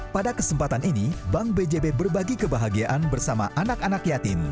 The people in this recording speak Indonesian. pada kesempatan ini bank bjb berbagi kebahagiaan bersama anak anak yatim